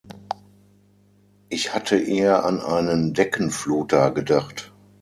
Ich hatte eher an einen Deckenfluter gedacht.